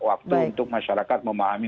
waktu untuk masyarakat memahami